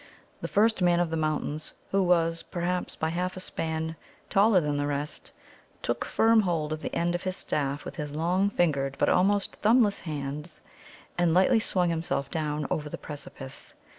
The first Man of the Mountains, who was, perhaps by half a span, taller than the rest, took firm hold of the end of his staff with his long fingered but almost thumbless hands, and lightly swung himself down over the precipice.